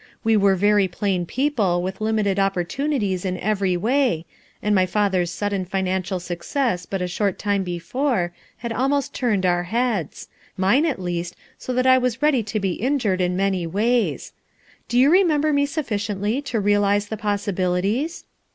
We were very plain people with limited opportunities in every way, and my father's sudden financial success but a short time before had almost turned our heads; mine, at least, so that I was ready to be injured in many ways. Do you remember inc sufficiently to realize the possibilities?"